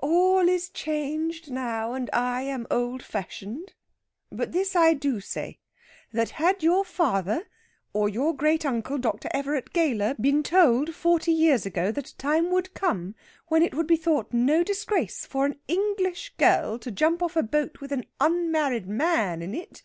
All is changed now, and I am old fashioned. But this I do say, that had your father, or your great uncle, Dr. Everett Gayler, been told forty years ago that a time would come when it would be thought no disgrace for an English girl to jump off a boat with an unmarried man in it....